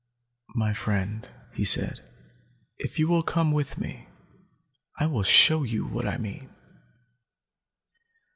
"My friend," he said, "if you will come with me, I will show you what I mean."